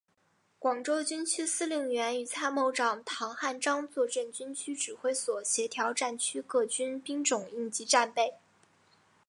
广州军区司令员与参谋长陶汉章坐镇军区指挥所协调战区个军兵种应急战备。